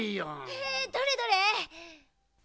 へえどれどれ？